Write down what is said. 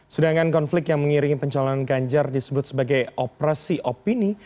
sedangkan konflik yang mengiringi pencalonan ganjar disebut sebagai operasi opini